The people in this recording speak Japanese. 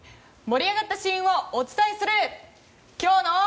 盛り上がったシーンをお伝えする今日の。